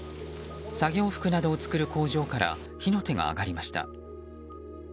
作業服などを作る工場から火の手が上がりました。